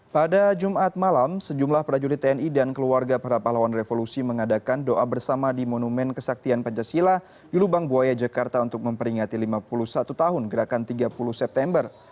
pada jumat malam sejumlah prajurit tni dan keluarga para pahlawan revolusi mengadakan doa bersama di monumen kesaktian pancasila di lubang buaya jakarta untuk memperingati lima puluh satu tahun gerakan tiga puluh september